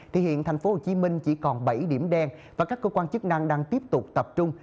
thì hiện thành phố hồ chí minh chỉ còn bảy điểm đen và các cơ quan chức năng đang tiếp tục tập trung